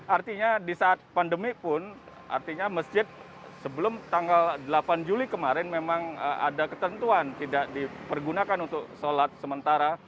artinya di saat pandemi pun artinya masjid sebelum tanggal delapan juli kemarin memang ada ketentuan tidak dipergunakan untuk sholat sementara